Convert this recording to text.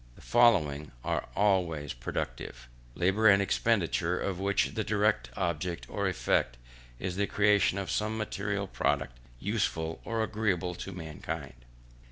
The following are always productive: Labour and expenditure, of which the direct object or effect is the creation of some material product useful or agreeable to mankind.